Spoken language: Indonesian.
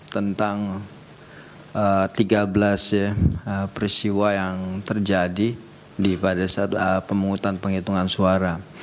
tentang tiga belas peristiwa yang terjadi pada saat pemungutan penghitungan suara